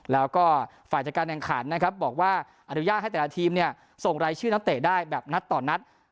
แล้วก็ฝ่ายจัดการแข่งขันนะครับบอกว่าอนุญาตให้แต่ละทีมเนี่ยส่งรายชื่อนักเตะได้แบบนัดต่อนัด